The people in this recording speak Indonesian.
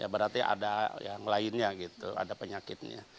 berarti ada yang lainnya gitu ada penyakitnya